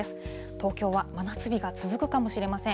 東京は真夏日が続くかもしれません。